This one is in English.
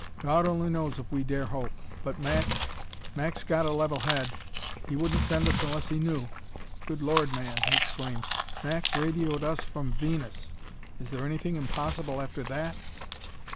"God only knows if we dare hope; but Mac Mac's got a level head; he wouldn't send us unless he knew! Good Lord, man!" he exclaimed, "Mac radioed us from Venus; is there anything impossible after that?"